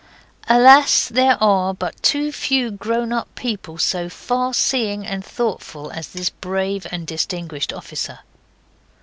Alas! there are but too few grown up people so far seeing and thoughtful as this brave and distinguished officer.